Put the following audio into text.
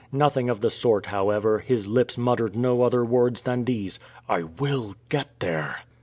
Nothing of the sort, however; his lips muttered no other words than these: "I will get there!"